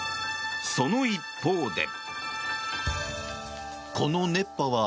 その一方で。